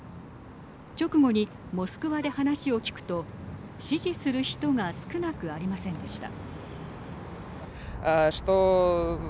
直後に、モスクワで話を聞くと支持する人が少なくありませんでした。